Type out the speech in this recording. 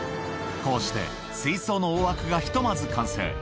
こうして、水槽の大枠がひとまず完成。